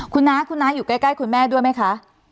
คุณน้าอยู่ใกล้คุณแม่ด้วยไหมคะ